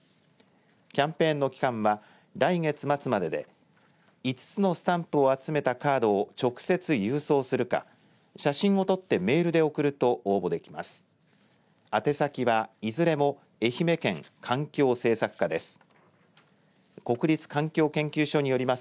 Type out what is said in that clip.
キャンペーンの期間は来月末までで５つのスタンプを集めたカードを直接、郵送するか写真を撮ってメールで送ると応募できます。